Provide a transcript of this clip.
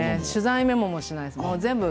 取材メモもしないです。